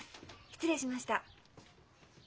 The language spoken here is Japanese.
失礼しました。